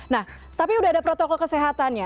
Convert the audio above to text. nah tapi sudah ada protokol kesehatannya